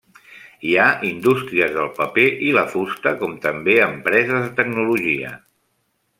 Hi ha indústries del paper i la fusta com també empreses de tecnologia.